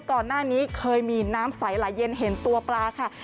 ก่อนหน้านี้เคยมีน้ำใสไหลเย็นเห็นตัวปลาค่ะ